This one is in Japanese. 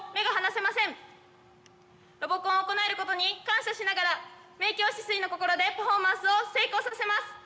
ロボコンを行えることに感謝しながら明鏡止水の心でパフォーマンスを成功させます！